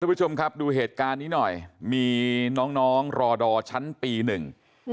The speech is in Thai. ผู้ชมครับดูเหตุการณ์นี้หน่อยมีน้องน้องรอดอชั้นปีหนึ่งอืม